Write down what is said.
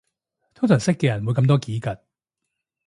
通常識嘅人唔會咁多嘰趷